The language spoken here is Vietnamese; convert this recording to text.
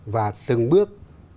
và từng bước